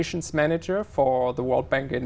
chúng ta có rất tận hợp